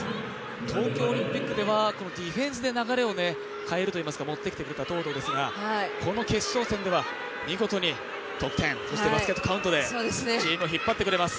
東京オリンピックではディフェンスで流れを変えるといいますか、持ってきてくれた東藤ですが、この決勝戦では見事に得点、そしてバスケットカウントでチームを引っ張ってくれます。